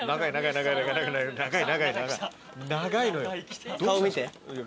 長いのよ。